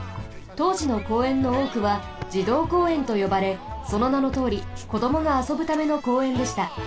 とうじの公園のおおくは児童公園とよばれそのなのとおりこどもがあそぶための公園でした。